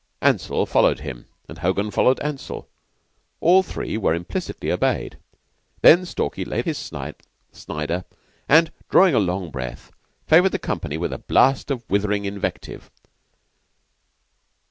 Ansell followed him, and Hogan followed Ansell. All three were implicitly obeyed. Then Stalky laid aside his Snider, and, drawing a long breath, favored the company with a blast of withering invective.